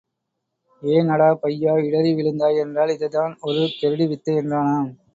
ஏன் அடா பையா, இடறி விழுந்தாய் என்றால் இதுதான் ஒரு கெருடி வித்தை என்றானாம்.